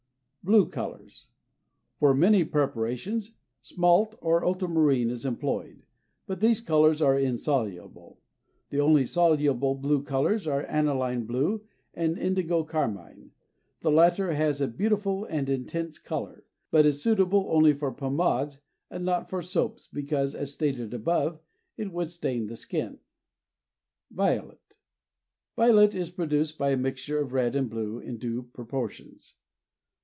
BLUE COLORS. For many preparations smalt or ultramarine is employed, but these colors are insoluble. The only soluble blue colors are aniline blue and indigo carmine; the latter has a beautiful and intense color, but is suitable only for pomades and not for soaps because, as stated above, it would stain the skin. VIOLET is produced by a mixture of red and blue in due proportions.